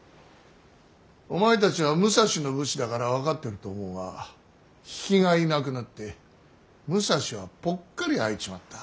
お前たちは武蔵の武士だから分かってると思うが比企がいなくなって武蔵はぽっかり空いちまった。